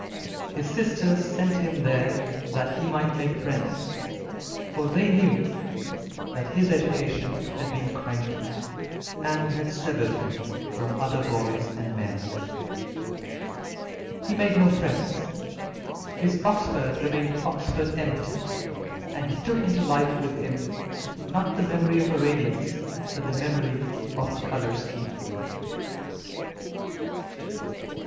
His sisters sent him there that he might make friends, for they knew that his education had been cranky, and had severed him from other boys and men. He made no friends. His Oxford remained Oxford empty, and he took into life with him, not the memory of a radiance, but the memory of a colour scheme.